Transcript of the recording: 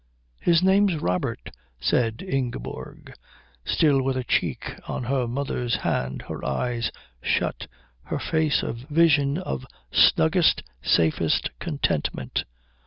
"His name's Robert," said Ingeborg, still with her cheek on her mother's hand, her eyes shut, her face a vision of snuggest, safest contentment.